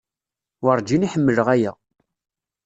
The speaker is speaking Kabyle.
Werǧin i ḥemmleɣ aya.